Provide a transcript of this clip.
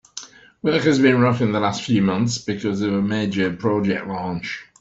Work has been rough in the last few months because of a major project launch.